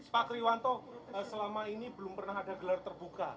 pak kriwanto selama ini belum pernah ada gelar terbuka